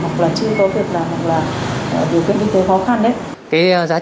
hoặc là điều kiện kinh tế khó khăn đấy